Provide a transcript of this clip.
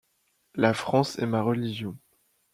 La France est ma religion.